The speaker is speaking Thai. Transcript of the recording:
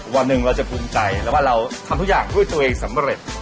วันหนึ่งเราจะภูมิใจแล้วว่าเราทำทุกอย่างด้วยตัวเองสำเร็จ